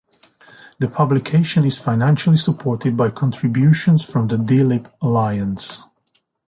The publication is financially supported by contributions from the D-Lib Alliance.